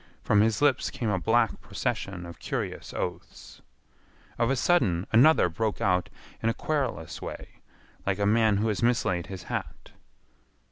From his lips came a black procession of curious oaths. Of a sudden another broke out in a querulous way like a man who has mislaid his hat.